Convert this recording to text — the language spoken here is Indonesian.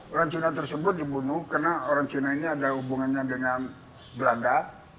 orang cina tersebut dibunuh karena orang cina ini ada hubungannya dengan belanda